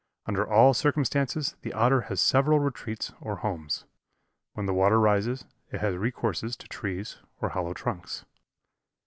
Under all circumstances the Otter has several retreats or homes." When the water rises, it has recourse to trees or hollow trunks.